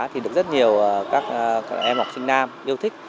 thì được rất nhiều các em học sinh nam yêu thích